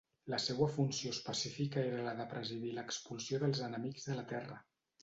La seua funció específica era la de presidir l'expulsió dels enemics de la terra.